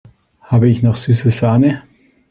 Habe ich noch süße Sahne?